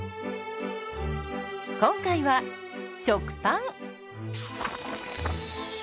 今回は食パン。